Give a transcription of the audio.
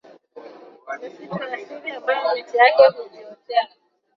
misitu ya asili ambayo miti yake hujiotea